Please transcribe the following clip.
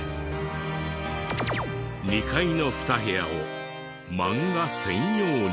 ２階の２部屋をマンガ専用に。